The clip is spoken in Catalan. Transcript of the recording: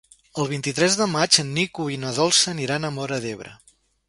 El vint-i-tres de maig en Nico i na Dolça aniran a Móra d'Ebre.